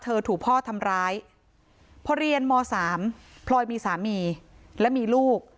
ถูกพ่อทำร้ายพอเรียนม๓พลอยมีสามีและมีลูก